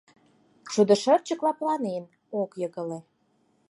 Шудышырчык лыпланен, ок йыгыле.